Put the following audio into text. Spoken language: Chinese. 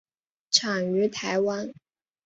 产于台湾。